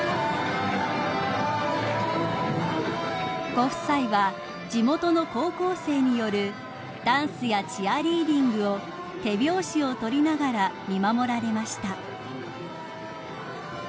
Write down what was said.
［ご夫妻は地元の高校生によるダンスやチアリーディングを手拍子を取りながら見守られました］